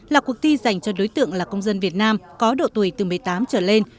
là cuộc thi dành cho đối tượng là công dân việt nam có độ tuổi từ một mươi tám trở lên